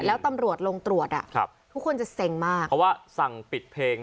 แล้วตำรวจลงตรวจอ่ะครับทุกคนจะเซ็งมากเพราะว่าสั่งปิดเพลง